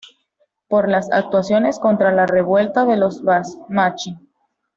Por las actuaciones contra la Revuelta de los Basmachí.